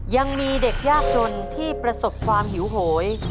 ยังมีเด็กยากจนที่ประสบความหิวโหย